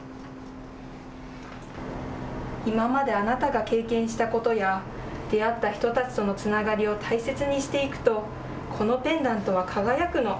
今まであなたが経験したことや出会った人たちとのつながりを大切にしていくとこのペンダントは輝くの。